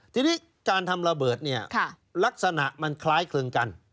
ทีนี้การทำระเบิดลักษณะมันคล้ายเคลื่อนกัน